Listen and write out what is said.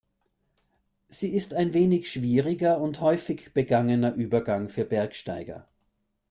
Sie ist ein wenig schwieriger und häufig begangener Übergang für Bergsteiger.